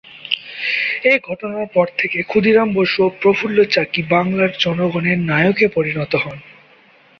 এ ঘটনার পর থেকে ক্ষুদিরাম বসু ও প্রফুল্ল চাকী বাংলার জনগণের নায়কে পরিণত হন।